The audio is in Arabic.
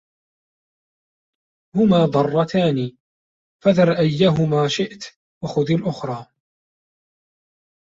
هُمَا ضَرَّتَانِ فَذَرْ أَيَّهُمَا شِئْت وَخُذْ الْأُخْرَى